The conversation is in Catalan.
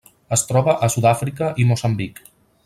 Es troba a Sud-àfrica i Moçambic.